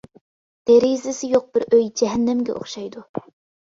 دېرىزىسى يوق بىر ئۆي جەھەننەمگە ئوخشايدۇ.